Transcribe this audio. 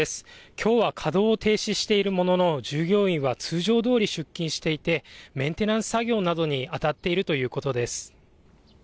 きょうは稼働を停止しているものの従業員は通常どおり出勤していてメンテナンス作業などに当たっているということです。